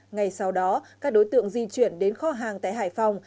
ngày sau đó các đối tượng di chuyển đến kho hàng tại hải phòng